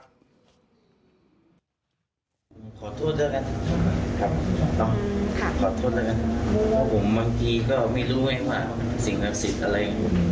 ขอโทษแล้วกันผมเมื่อกี้ก็ไม่รู้ไงว่าสิ่งศักดิ์สิทธิ์อะไร